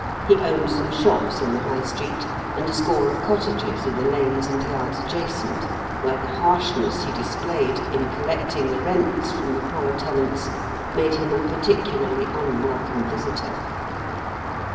He owned some shops in the High Street, and a score of cottages in the lanes and yards adjacent, where the harshness he displayed in collecting the rents from the poor tenants made him a particularly unwelcome visitor.